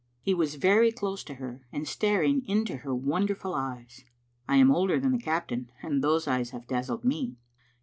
He was very close to her, and staring into her won derful eyes. I am older than the Captain, and those eyes have dazzled me.